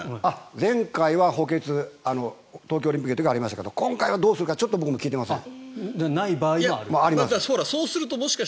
前回は補欠東京オリンピックの時ありましたが今回はどうするか僕も聞いてません。